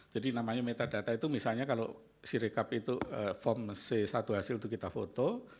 jadi namanya metadata itu misalnya kalau siri kap itu form c satu hasil itu kita foto